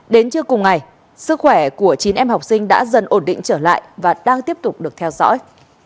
đến trưa cùng ngày sức khỏe của chín em học sinh đã dần ổn định trở lại và đang tiếp tục được theo dõi